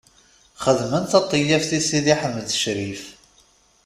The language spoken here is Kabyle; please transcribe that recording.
Xedmen taṭeyyaft i Sidi Ḥmed Ccrif.